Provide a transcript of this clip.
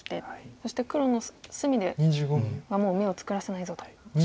そして黒の隅でもう眼を作らせないぞという。